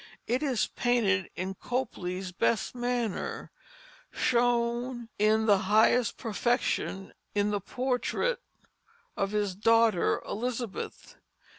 It is painted in Copley's best manner (shown in the highest perfection in the portrait of his daughter Elizabeth).